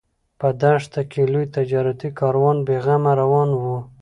په دښته کې لوی تجارتي کاروان بې غمه روان و.